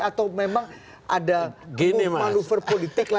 atau memang ada manuver politik